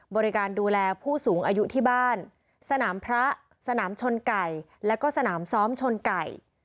บริการดูแลผู้สูงอายุที่บ้านสนามพระสนามชนไก่แล้วก็สนามซ้อมชนไก่